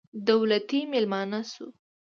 دولتي مېلمانه شوو.